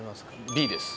Ｂです